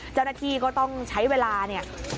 เจ้าหน้าที่ก็ต้องใช้เวลาเนี่ย